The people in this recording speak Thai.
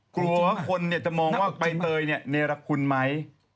กลัวว่าคนจะมองว่าใบเตยเนรักคุณไหม